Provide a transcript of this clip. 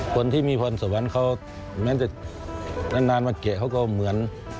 คนที่มีพรสวรรค์เขาแม้จะนานมาเกะเขาก็เหมือน